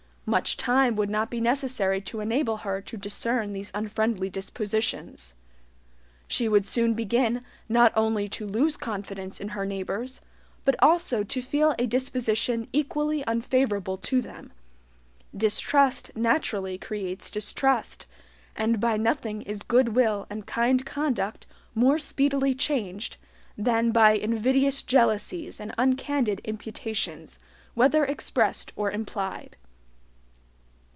Much time would not be necessary to enable her to discern these unfriendly dispositions. She would soon begin, not only to lose confidence in her neighbors, but also to feel a disposition equally unfavorable to them. Distrust naturally creates distrust, and by nothing is good will and kind conduct more speedily changed than by invidious jealousies and uncandid imputations, whether expressed or implied.